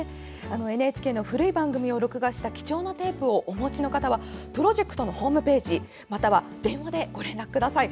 ＮＨＫの古い番組を録画した貴重なテープをお持ちの方はプロジェクトのホームページまたは電話でご連絡ください。